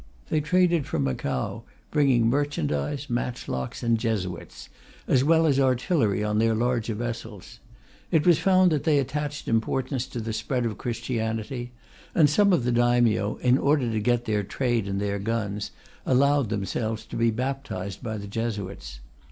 They traded from Macao, bringing merchandise, match locks and Jesuits, as well as artillery on their larger vessels. It was found that they attached importance to the spread of Christianity, and some of the Daimyo, in order to get their trade and their guns, allowed themselves to be baptized by the Jesuits.